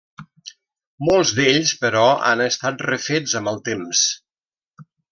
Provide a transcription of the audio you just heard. Molts d'ells, però, han estat refets amb el temps.